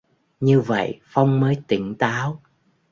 Nhờ vậy phong mới tỉnh táo